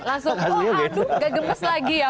langsung oh aduh gak gemes lagi ya